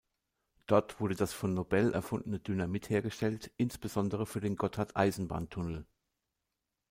Dort wurde das von Nobel erfundene Dynamit hergestellt, insbesondere für den Gotthard-Eisenbahntunnel.